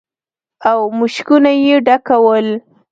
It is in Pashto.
او مشکونه يې ډکول.